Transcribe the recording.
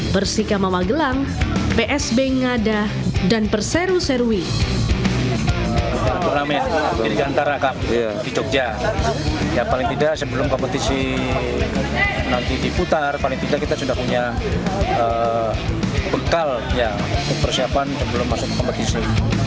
persika mawagelang psb ngadah dan perseru serwi